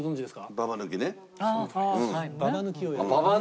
ババ抜きね。